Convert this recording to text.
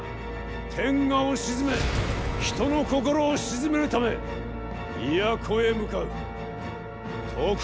天下を鎮め人の心を鎮めるため都へ向かう。